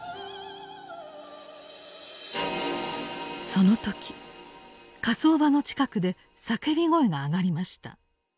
その時火葬場の近くで叫び声が上がりました。